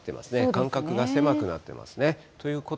間隔が狭くなってますね。